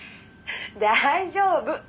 「大丈夫。